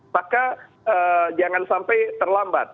maka jangan sampai terlambat